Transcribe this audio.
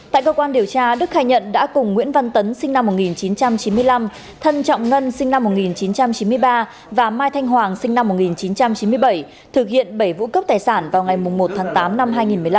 tại cơ quan điều tra đức khai nhận đã cùng nguyễn văn tấn sinh năm một nghìn chín trăm chín mươi năm thân trọng ngân sinh năm một nghìn chín trăm chín mươi ba và mai thanh hoàng sinh năm một nghìn chín trăm chín mươi bảy thực hiện bảy vụ cướp tài sản vào ngày một tháng tám năm hai nghìn một mươi năm